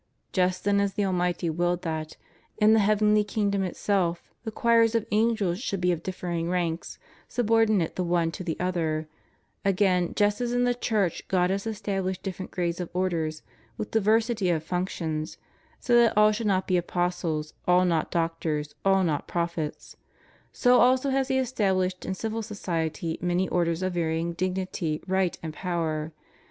Just then as the Almighty willed that, in the heavenly kingdom itself, the choirs of angels should be of differing ranks, subordinated the one to the other ; again just as in the Church God has estabhshed different grades of orders with diversity of functions, so that aU should not be apostles, all not doctors, all not prophets; ' so also has He established in civil society many orders of varying dignity, right, and power.